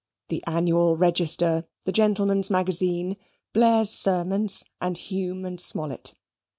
The "Annual Register," the "Gentleman's Magazine," "Blair's Sermons," and "Hume and Smollett."